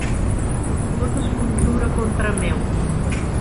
Tot es conjura contra meu.